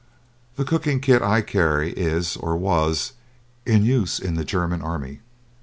The cooking kit I carry is, or was, in use in the German army.